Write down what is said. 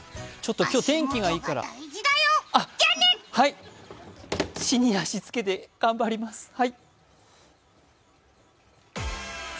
ちょっと今日、天気がいいから地に足つけて、頑張ります。